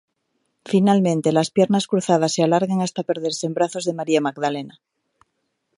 Finalmente, las piernas cruzadas se alargan hasta perderse en brazos de María Magdalena.